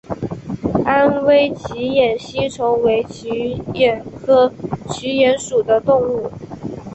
安徽嗜眼吸虫为嗜眼科嗜眼属的动物。